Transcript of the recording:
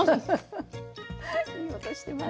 ハハハいい音してます。